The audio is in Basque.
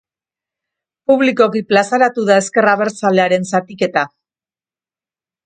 Publikoki plazaratu da ezker abertzalearen zatiketa.